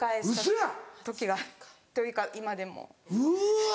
ウソや！というか今でも。うわ！